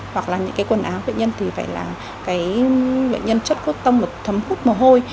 hoặc là những cái quần áo bệnh nhân thì phải là cái bệnh nhân chất khuất tông và thấm hút mồ hôi